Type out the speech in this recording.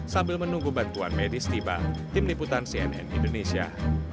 sampai jumpa di video selanjutnya